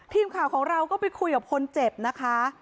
ทีมข่าวของเราก็ไปคุยกับคนเจ็บนะคะ